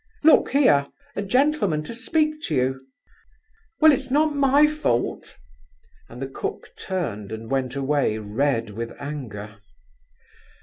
Look here!... a gentleman to speak to you!... Well, it's not my fault!" and the cook turned and went away red with anger.